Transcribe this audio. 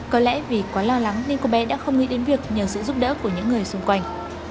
có lẽ vì quá lo lắng nên cô bé đã không nghĩ đến việc nhờ sự giúp đỡ của những người xung quanh